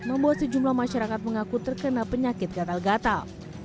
membuat sejumlah masyarakat mengaku terkena penyakit gatal gatal